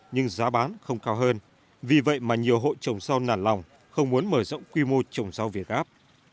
nhưng giá bán không cao hơn vì vậy mà nhiều hội trồng rào nản lòng không muốn mở rộng quy mô trồng rào việt gáp